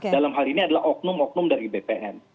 dalam hal ini adalah oknum oknum dari bpn